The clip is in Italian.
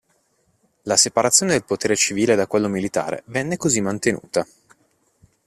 La separazione del potere civile da quello militare venne così mantenuta.